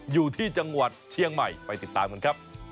อยู่ที่จังหวัดเชียงใหม่ไปติดตามกันครับ